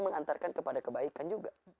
mengantarkan kepada kebaikan juga